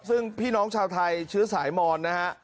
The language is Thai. ซึ่งพี่น้องชาวไทยเชื้อสายมอนนะฮะ